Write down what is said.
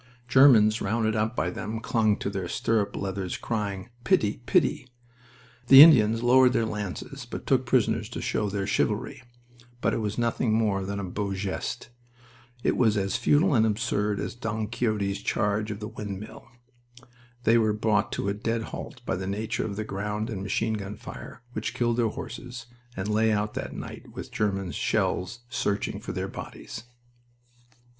Germans rounded up by them clung to their stirrup leathers crying: "Pity! Pity!" The Indians lowered their lances, but took prisoners to show their chivalry. But it was nothing more than a beau geste. It was as futile and absurd as Don Quixote's charge of the windmill. They were brought to a dead halt by the nature of the ground and machine gun fire which killed their horses, and lay out that night with German shells searching for their bodies.